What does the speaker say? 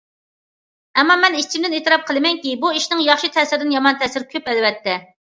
ئەمما مەن ئىچىمدىن ئېتىراپ قىلىمەنكى، بۇ ئىشنىڭ ياخشى تەسىرىدىن يامان تەسىرى كۆپ ئەلۋەتتە.